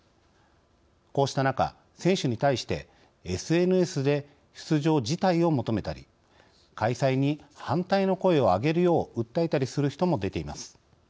こうした中選手に対してＳＮＳで出場辞退を求めたり開催に反対の声を上げるよう訴えたりする人も出ています。